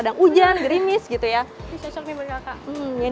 kerijan gerimis gitu ya ini sesuai nih buat kakak